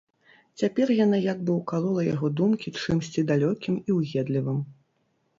Цяпер яна як бы ўкалола яго думкі чымсьці далёкім і ўедлівым.